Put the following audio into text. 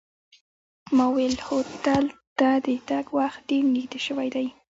ما وویل هوټل ته د تګ وخت ډېر نږدې شوی دی.